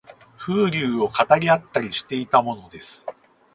風流を語り合ったりしていたものです